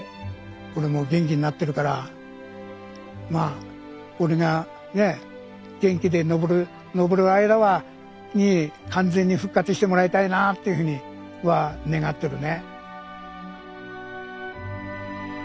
俺も元気になってるからまあ俺がねえ元気で登る間に完全に復活してもらいたいなっていうふうには願ってるね。